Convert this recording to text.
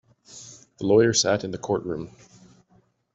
The lawyer sat in the courtroom.